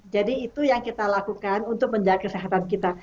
jadi itu yang kita lakukan untuk menjaga kesehatan kita